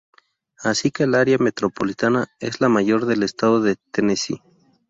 Así que el área metropolitana es la mayor del estado de Tennessee.